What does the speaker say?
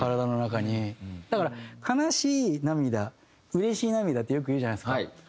だから悲しい涙うれしい涙ってよく言うじゃないですか。